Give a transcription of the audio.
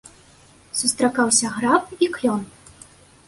Сустракаўся граб і клён.